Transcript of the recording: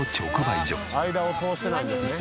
間を通してないんですね。